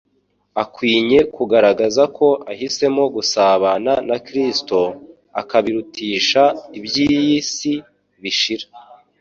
akwinye kugaragaza ko ahisemo gusabana na Kristo, akabirutisha iby'iyi si bishira. ».